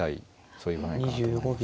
そういう場面かなと思います。